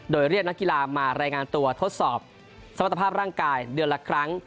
โดยเรียกนักกีฬามารายงานตัวทดสอบสมรรถภาพร่างกายเดือนละครั้ง